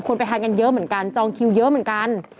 ไปทานกันเยอะเหมือนกันจองคิวเยอะเหมือนกัน